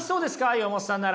岩本さんなら。